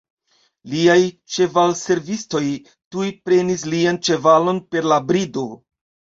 Liaj ĉevalservistoj tuj prenis lian ĉevalon per la brido.